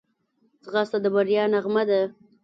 ځغاسته د بریا نغمه ده